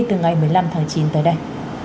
từ ngày một mươi năm tháng chín tới đây